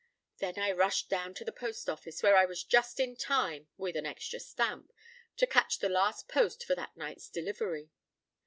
Then I rushed down to the post office, where I was just in time (with an extra stamp) to catch the last post for that night's delivery.